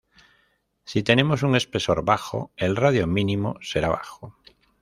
Si tenemos un espesor bajo, el radio mínimo será bajo.